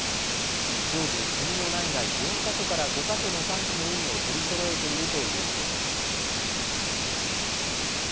常時、国の内外４か所から５か所の産地のウニを取りそろえているということです。